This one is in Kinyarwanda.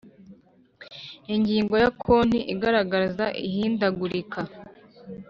Ingingo ya Konti igaragaza ihindagurika